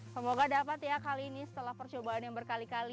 semoga dapat ya kali ini setelah percobaan yang berkali kali